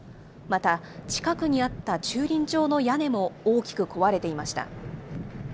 また、近くにあった駐輪場の屋根も大きく壊れていました。